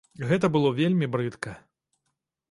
Гэта было вельмі брыдка.